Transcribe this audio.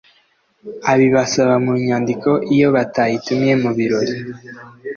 abibasaba mu nyandiko Iyo batayitumiye mu birori